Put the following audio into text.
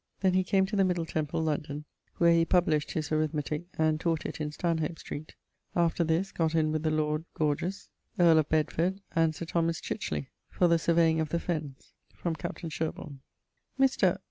Then he came to the Middle Temple, London, where he published his Arithmetique, and taught it in Stanhop street. After this, gott in with the lord Gorges, earle of Bedford, and Sir Thomas Chichiley, for the surveying of the fennes: from captain Sherbourne. Mr.